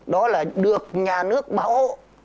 đó là được nhà nước bảo hộ